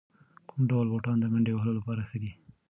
کوم ډول بوټان د منډې وهلو لپاره ښه دي؟